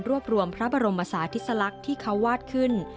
รวบรวมพระบรมศาธิสลักษณ์ที่เขาวาดขึ้น